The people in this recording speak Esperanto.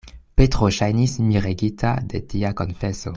Petro ŝajnis miregita de tia konfeso.